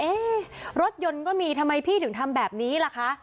รถยนต์ก็มีทำไมพี่ถึงทำแบบนี้ล่ะคะ